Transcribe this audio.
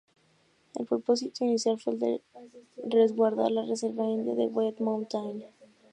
El propósito inicial fue el de resguardar la reserva india de "White Mountain".